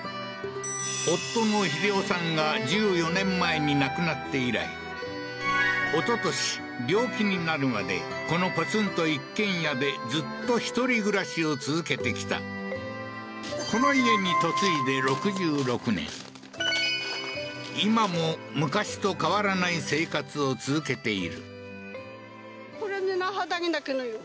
夫の英雄さんが１４年前に亡くなって以来一昨年病気になるまでこのポツンと一軒家でずっと１人暮らしを続けてきたこの家に今も昔と変わらない生活を続けている